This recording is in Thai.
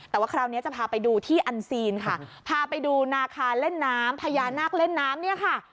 แต่ว่าคราวนี้จะพาไปดูที่อันซีนค่ะพาไปดูนาคาเล่นน้ำพญานาคเล่นน้ำเนี่ยค่ะ